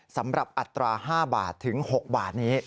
สำหรับอัตรา๕๖บาทนี้